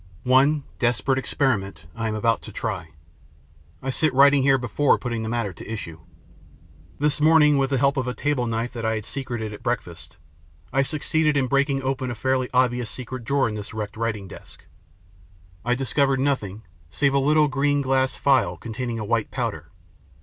One desperate experiment I am about to try. I sit writing here before putting the matter to issue. This morning, with the help of a table knife that I had secreted at breakfast, I succeeded in breaking open a fairly obvious secret drawer in this wrecked writing desk. I discovered nothing save a little green glass phial containing a white powder.